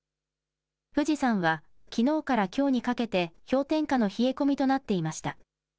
富士山はきのうからきょうにかけて、氷点下の冷え込みとなっていました。